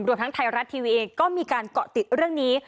รวมทั้งไทยรัฐทีวีเองก็มีการเกาะติดเรื่องนี้